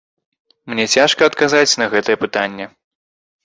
Мне цяжка адказаць на гэтае пытанне.